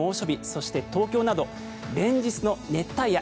そして、東京など連日の熱帯夜。